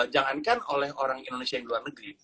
jangankan oleh orang indonesia yang di luar negeri